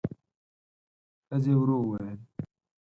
ښځې ورو وویل: